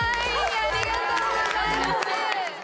ありがとうございます。